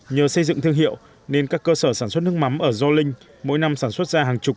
nhờ xây dựng thương hiệu nên các cơ sở sản xuất nước mắm ở gio linh mỗi năm sản xuất ra hàng chục